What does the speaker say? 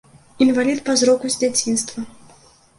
Інвалід па зроку з дзяцінства.